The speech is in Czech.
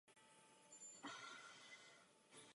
Tato nová oblast se nazývá Golden Village.